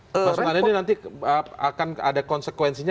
mas makanya ini nanti akan ada konsekuensinya